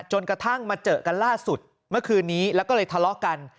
จนกระทั่งมาเจอกันล่าสุดเมื่อคืนนี้แล้วก็เลยทะเลาะกัน